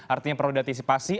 artinya perlu diantisipasi